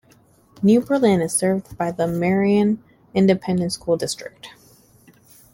New Berlin is served by the Marion Independent School District.